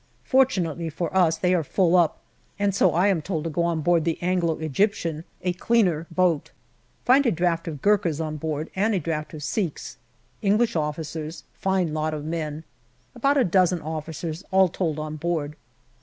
Fortunately for us, they are full up, and so I am told to go on board the Anglo Egyptian, a cleaner boat. Find a draft of Gurkhas on board and a draft of Sikhs. English officers ; fine lot of men. About a dozen officers all told on board.